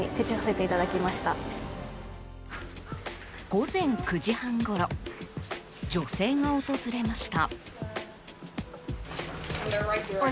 午前９時半ごろ女性が訪れました。